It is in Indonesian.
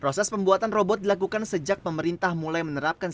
proses pembuatan robot dilakukan sejak pemerintah mulai menerapkan